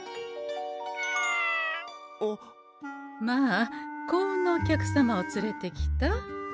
まあ幸運のお客様を連れてきた？